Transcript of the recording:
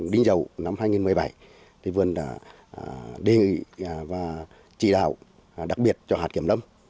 đinh dầu năm hai nghìn một mươi bảy thì vườn đã đề nghị và trị đạo đặc biệt cho hạt kiểm lâm